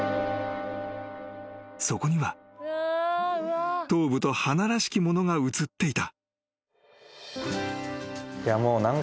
［そこには頭部と鼻らしきものが映っていた］